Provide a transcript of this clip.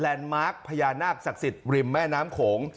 มาร์คพญานาคศักดิ์สิทธิ์ริมแม่น้ำโขง